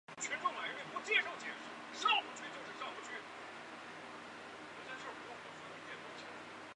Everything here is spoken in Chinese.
沃尔夫是一个无神论者。